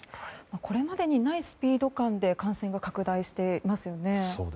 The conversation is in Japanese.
これまでにないスピード感で感染が拡大していますよね。